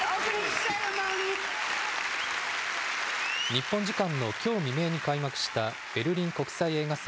日本時間のきょう未明に開幕したベルリン国際映画祭。